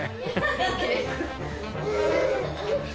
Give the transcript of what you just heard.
元気です。